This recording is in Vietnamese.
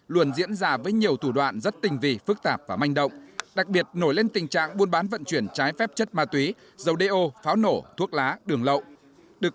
luôn diễn ra với nhiều thủ đoạn rất tình vị phức tạp và manh động đặc biệt nổi lên tình trạng buôn bán vận chuyển trái phép chất ma túy dầu đeo pháo nổ thuốc lá đường lậu